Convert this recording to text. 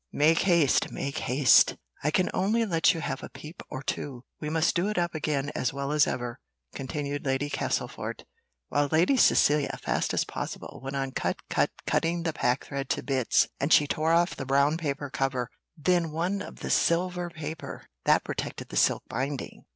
Make haste, make haste! I can only let you have a peep or two. We must do it up again as well as ever," continued Lady Castlefort, while Lady Cecilia, fast as possible, went on cut, cut, cutting the packthread to bits, and she tore off the brown paper cover, then one of silver paper, that protected the silk binding.